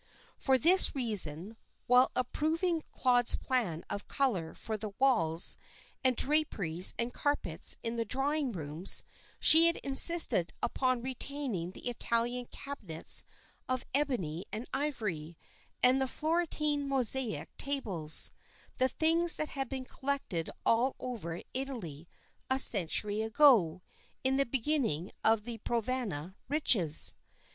For this reason, while approving Claude's plan of colour for the walls and draperies and carpets in the drawing rooms, she had insisted upon retaining the Italian cabinets of ebony and ivory, and the Florentine mosaic tables, the things that had been collected all over Italy a century ago, in the beginning of the Provana riches.